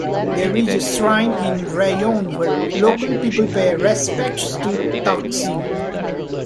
There is a shrine in Rayong where local people pay respects to Taksin.